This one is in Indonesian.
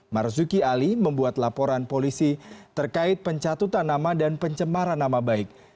marzuki ali membuat laporan polisi terkait pencatutan nama dan pencemaran nama baik